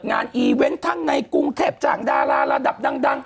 ในกรุงเทพธุ์จังดาราระดับดั้ง